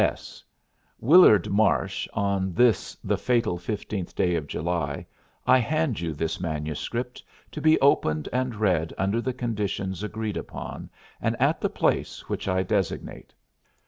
"P.S. Willard Marsh, on this the fatal fifteenth day of July I hand you this manuscript, to be opened and read under the conditions agreed upon, and at the place which I designated.